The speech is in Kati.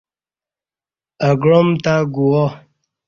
اہ گعام تہ گوا